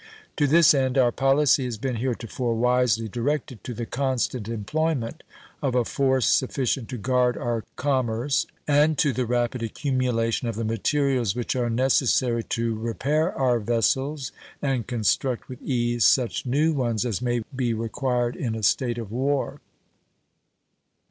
To this end our policy has been heretofore wisely directed to the constant employment of a force sufficient to guard our commerce, and to the rapid accumulation of the materials which are necessary to repair our vessels and construct with ease such new ones as may be required in a state of war.